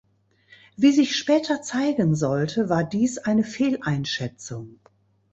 Wie sich später zeigen sollte, war dies eine Fehleinschätzung.